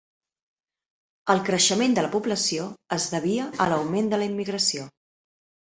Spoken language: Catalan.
El creixement de la població es devia a l'augment de la immigració.